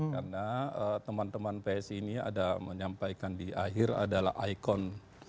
karena teman teman psi ini ada menyampaikan di akhir adalah ikon